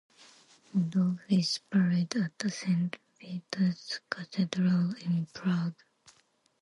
Rudolph is buried at the Saint Vitus Cathedral in Prague.